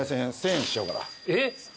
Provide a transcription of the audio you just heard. えっ！？